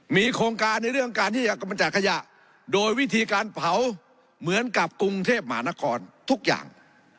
มีโครงการในเรื่องการที่จะกำจัดขยะโดยวิธีการเผาเหมือนกับกรุงเทพมหานครทุกอย่าง